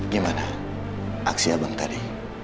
gimana aksi abang tadi